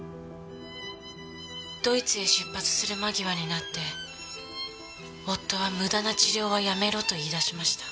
ドイツへ出発する間際になって夫は無駄な治療はやめろと言い出しました。